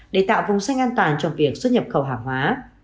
để tạo vùng xanh an toàn trong việc xuất nhập khẩu hàng hóa